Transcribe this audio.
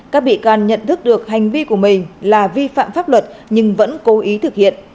các bị can nhận thức được hành vi của mình là vi phạm pháp luật nhưng vẫn cố ý thực hiện